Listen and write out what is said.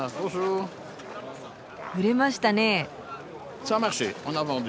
売れましたねえ。